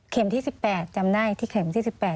ที่๑๘จำได้ที่เข็มที่๑๘